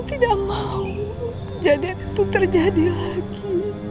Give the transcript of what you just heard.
tidak mau kejadian itu terjadi lagi